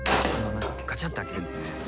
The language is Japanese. ガチャッて開けるんですね。